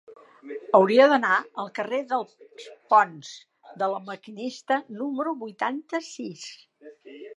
Hauria d'anar al carrer dels Ponts de La Maquinista número vuitanta-sis.